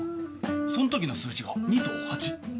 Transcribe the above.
そん時の数字が２と８。